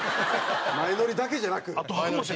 前乗りだけじゃなく？